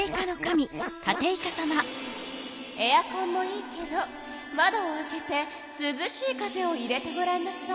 エアコンもいいけど窓を開けてすずしい風を入れてごらんなさい。